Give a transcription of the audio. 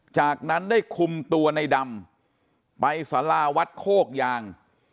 จากนั้นได้คุมตัวในดำไปสาราวัดโคกยาง